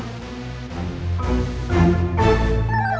kok lu gak pake sih bantul lu